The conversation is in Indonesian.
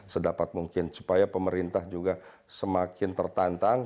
sedapat mungkin supaya pemerintah juga semakin tertantang